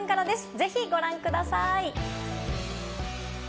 ぜひご覧ください。